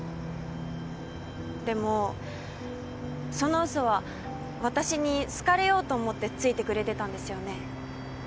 でもその嘘は私に好かれようと思ってついてくれてたんですよね？